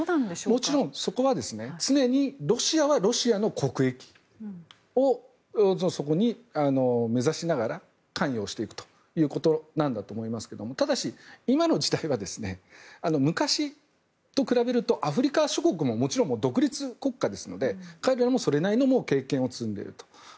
もちろんそこは常にロシアはロシアの国益を目指しながら関与をしていくということなんだと思いますがただし、今の時代は昔と比べるとアフリカ諸国ももちろん独立国家ですので彼らもそれなりの経験を積んでいると。